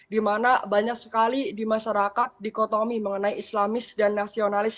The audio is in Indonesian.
di mana banyak sekali di masyarakat dikotomi mengenai islamis dan nasionalis